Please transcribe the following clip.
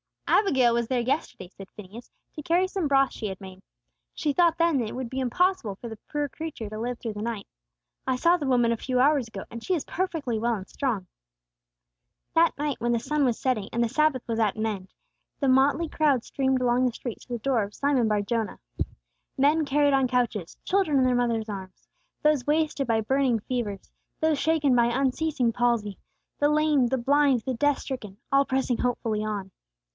"Abigail was there yesterday," said Phineas, "to carry some broth she had made. She thought then it would be impossible for the poor creature to live through the night. I saw the woman a few hours ago, and she is perfectly well and strong." That night when the sun was setting, and the Sabbath was at an end, a motley crowd streamed along the streets to the door of Simon bar Jonah. Men carried on couches; children in their mother's arms; those wasted by burning fevers; those shaken by unceasing palsy; the lame; the blind; the death stricken, all pressing hopefully on.